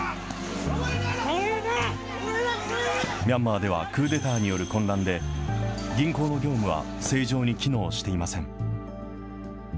ミャンマーではクーデターによる混乱で、銀行の業務は正常に機能していません。